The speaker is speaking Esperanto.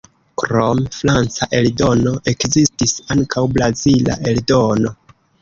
Krom franca eldono, ekzistis ankaŭ brazila eldono.